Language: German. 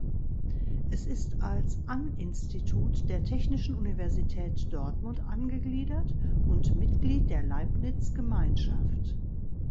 Es ist als An-Institut der Technischen Universität Dortmund angegliedert und Mitglied der Leibniz-Gemeinschaft.